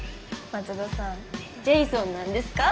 松戸さんジェイソンなんですか？